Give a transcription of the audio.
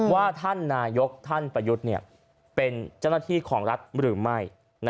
ว่าท่านนายกท่านประยุทธ์เป็นเจ้าหน้าที่ของรัฐหรือไม่